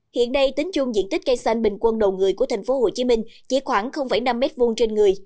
hiện đây tính chung diện tích cây xanh bình quân đầu người của tp hcm chỉ khoảng năm m hai trên người